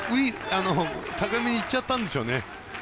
高めにいっちゃったんでしょうね。